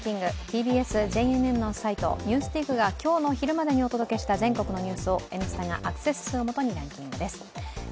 ＴＢＳ・ＪＮＮのサイト「ＮＥＷＳＤＩＧ」が今日のお昼までにお届けした全国のニュースを「Ｎスタ」がアクセス数をもとにランキングです。